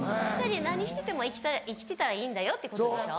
何してても生きてたらいいんだよってことでしょ？